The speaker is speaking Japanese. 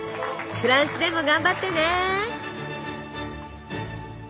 フランスでも頑張ってね！